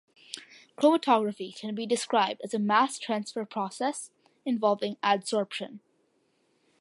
Chromatography can be described as a mass transfer process involving adsorption.